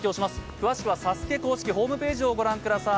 詳しくは「ＳＡＳＵＫＥ」公式ホームページをご覧ください。